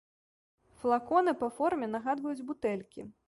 Флаконы па форме нагадваюць бутэлькі.